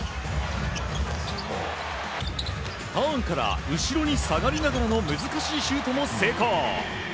ターンから後ろに下がりながらの難しいシュートも成功。